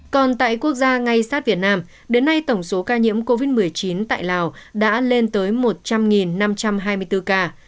còn tại quốc gia ngay sát việt nam đến nay tổng số ca nhiễm covid một mươi chín tại lào đã lên tới một trăm linh năm trăm hai mươi bốn ca